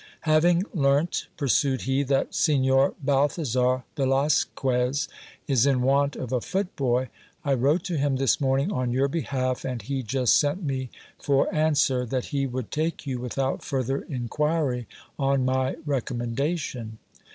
Having learnt, pursued he, that Signor Balthasar Velasquez is in want of a footboy, I wrote to him this morning on your behalf, and he just sent me for answer, that he would take you without further inquiry on my recommendation.